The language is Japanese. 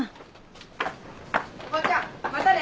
おばちゃんまたね。